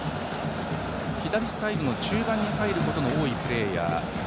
左サイドの中盤に入ることが多いプレーヤー。